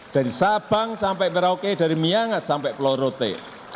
dari sabang sampai merauke dari miangas sampai pulau rote